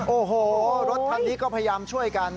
โอ้โหรถคันนี้ก็พยายามช่วยกัน